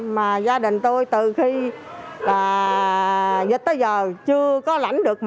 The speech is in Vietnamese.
mà gia đình tôi từ khi là tới giờ chưa có lãnh được